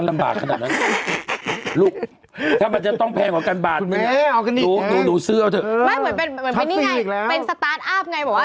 มันเป็นนี่ไงเป็นสตาร์ทอัพไง